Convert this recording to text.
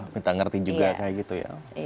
minta ngerti juga kayak gitu ya